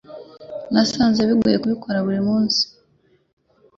Nasanze bigoye kubika buri munsi.